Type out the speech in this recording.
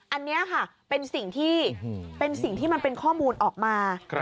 อันนี้ค่ะเป็นสิ่งที่เป็นสิ่งที่มันเป็นข้อมูลออกมา